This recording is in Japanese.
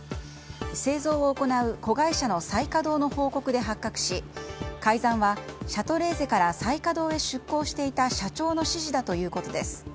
製造を行う子会社の菜花堂の報告で発覚し改ざんはシャトレーゼから菜花堂へ出向していた社長の指示だということです。